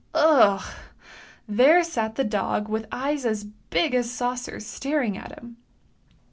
Ugh! There sat the dog with eyes as big as saucers staring at him.